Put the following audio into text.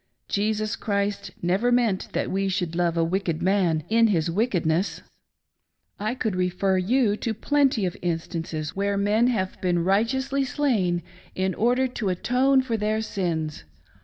Jesus Christ never meant that we should love a wicked man in his wickedness. ^ I could refer you to plenty of instances where men have been righteously slain in 3i8 "out of love he cut her throat!" order to atone for tJieir sins.